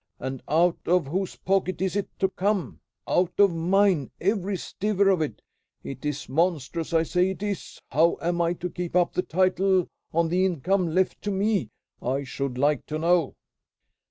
And out of whose pocket is it to come? Out of mine, every stiver of it! It is monstrous! I say it is! How am I to keep up the title on the income left to me, I should like to know?"